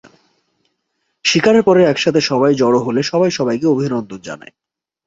শিকারের পরে একসাথে সবাই জড়ো হলে সবাই সবাইকে অভিনন্দন জানায়।